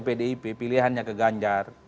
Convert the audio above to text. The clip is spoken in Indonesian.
pdip pilihannya ke ganjar